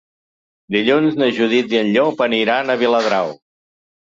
Dilluns na Judit i en Llop aniran a Viladrau.